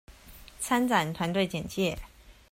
參展團隊簡介